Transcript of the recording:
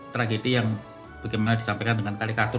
tragedi yang bagaimana disampaikan dengan kalikatur